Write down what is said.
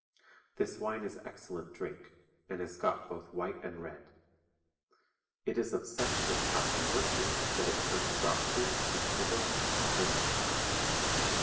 This wine is excellent drink, and is got both white and red. [It is of such sur passing virtue that it cures dropsy and tisick and spleen.